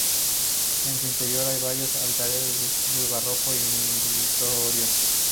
En su interior hay varios altares de estilo barroco, no meritorios.